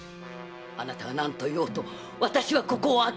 あなたが何といおうと私はここを開けませぬ！